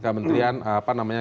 kementerian apa namanya